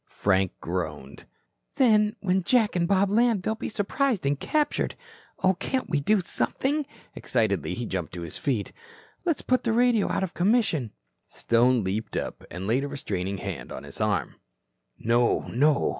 Frank groaned. "Then when Jack and Bob land, they'll be surprised and captured. Oh, can't we do something?" Excitedly he jumped to his feet. "Let's put the radio out of commission." Stone also leaped up and laid a restraining hand on his arm. "No, no.